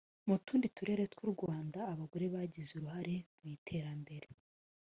mu tundi turere tw u rwanda abagore bagize uruhare mu iterambere